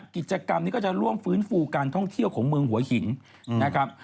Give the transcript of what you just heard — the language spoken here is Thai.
กิจกรรมนี้ก็จะร่วมฟื้นฟูการท่องเที่ยวของเมืองหัวหินนะครับ